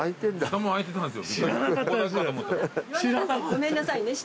ごめんなさいね。